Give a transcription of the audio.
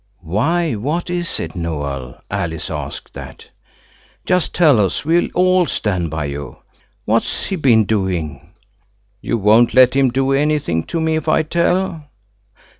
"Why, what is it, Noël?" Alice asked that. "Just tell us, we'll all stand by you. What's he been doing?" "You won't let him do anything to me if I tell?"